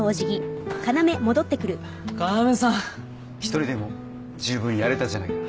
１人でも十分やれたじゃないか。